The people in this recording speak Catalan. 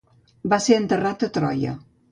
Va ser enterrat a Troia.